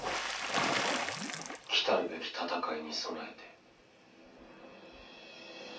きたるべき戦いに備えて。